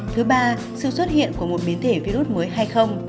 thứ ba sự xuất hiện của một biến thể virus mới